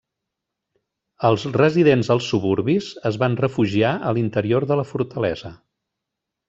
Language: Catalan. Els residents als suburbis es van refugiar a l'interior de la fortalesa.